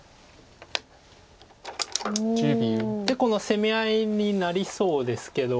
でこの攻め合いになりそうですけど。